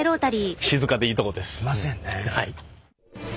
いませんねえ。